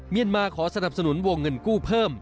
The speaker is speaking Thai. มาขอสนับสนุนวงเงินกู้เพิ่ม